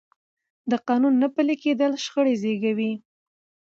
د قانون نه پلي کېدل شخړې زېږوي